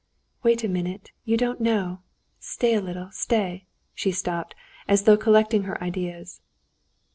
"Wait a minute, you don't know ... stay a little, stay!..." She stopped, as though collecting her ideas.